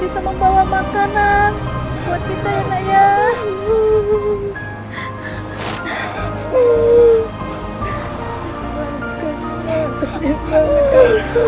semoga bapakmu bisa membawa makanan buat kita ya ayah